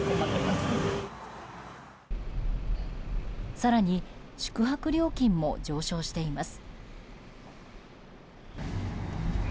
更に、宿泊料金も上昇しています。